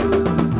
terima kasih pak